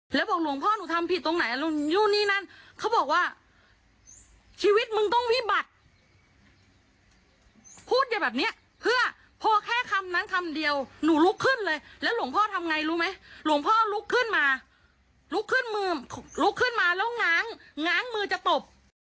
หลุกขึ้นมาแล้วง้างง้างมือจะตบ